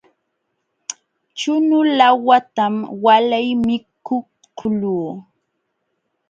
Chunu laawatam walay mikuqluu.